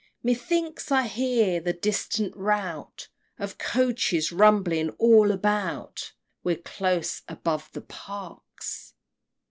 Methinks I hear the distant rout Of coaches rumbling all about We're close above the Parks!